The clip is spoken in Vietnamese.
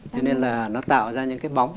cho nên là nó tạo ra những cái bóng